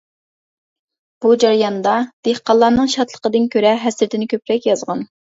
بۇ جەرياندا، دېھقانلارنىڭ شادلىقىدىن كۆرە ھەسرىتىنى كۆپرەك يازغان.